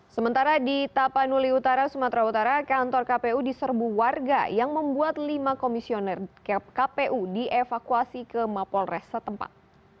sementara di tapanuli utara sumatera utara kantor kpu diserbu warga yang membuat lima komisioner kpu dievakuasi ke mapolres setempat